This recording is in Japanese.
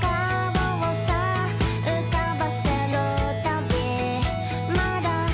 「浮かばせるたびまだ」